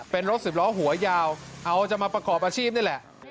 เป็นรถสิบล้อหัวยาวเอาจะมาประกอบอาชีพนี่แหละ